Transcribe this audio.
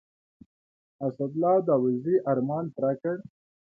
اسدالله داودزي ارمان پوره کړ.